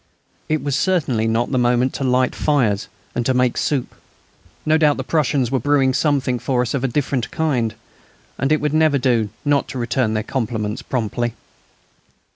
It was certainly not the moment to light fires and make soup; no doubt the Prussians were brewing something for us of a different kind, and it would never do not to return their compliments promptly.